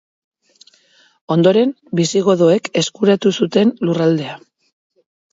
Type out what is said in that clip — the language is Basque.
Ondoren bisigodoek eskuratu zuten lurraldea.